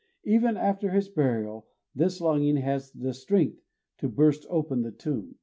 Even after his burial, this longing has the strength to burst open the tomb.